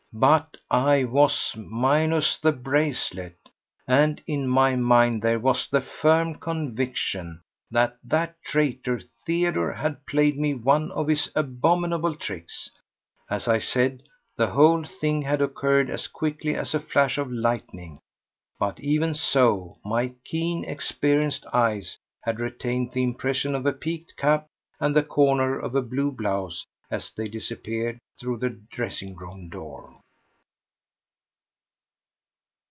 But I was minus the bracelet, and in my mind there was the firm conviction that that traitor Theodore had played me one of his abominable tricks. As I said, the whole thing had occurred as quickly as a flash of lightning, but even so my keen, experienced eyes had retained the impression of a peaked cap and the corner of a blue blouse as they disappeared through the dressing room door.